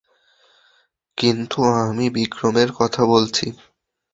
কিন্তু আমি বিক্রমের কথা বলছি।